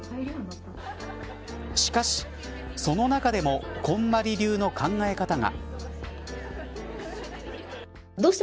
しかし、その中でもこんまり流の考え方が。